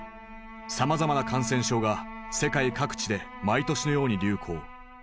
さまざまな感染症が世界各地で毎年のように流行。